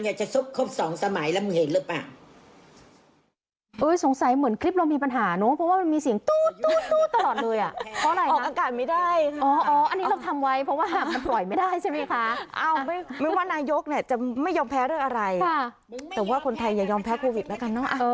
จะซบครบสองสมัยแล้วมึงเห็นหรือเปล่า